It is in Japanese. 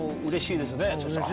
うれしいですね。